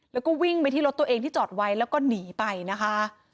แล้วก็วิ่งไปที่รถตัวเองที่จอดไว้แล้วก็หนีไปนะคะ